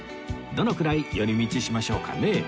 どのくらい寄り道しましょうかね